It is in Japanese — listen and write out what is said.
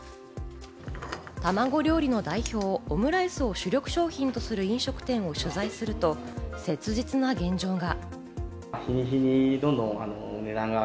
たまご料理の代表、オムライスを主力商品とする飲食店を取材すると、切実な現状が。